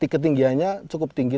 ketinggianya cukup tinggi